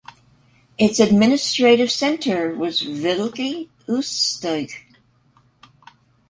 Its administrative centre was Veliky Ustyug.